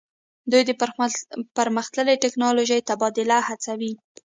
دوی د پرمختللې ټیکنالوژۍ تبادله هڅوي